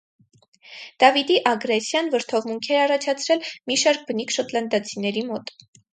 Դավիդի ագրեսիան վրդովմունք էր առաջացրել մի շարք բնիկ շոտլանդացիների մոտ։